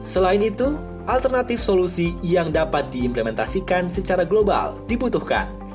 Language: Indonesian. selain itu alternatif solusi yang dapat diimplementasikan secara global dibutuhkan